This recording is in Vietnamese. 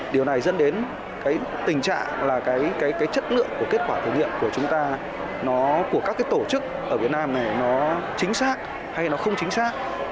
điều này dẫn đến cái tình trạng là cái chất lượng của kết quả thử nghiệm của chúng ta nó của các cái tổ chức ở việt nam này nó chính xác hay nó không chính xác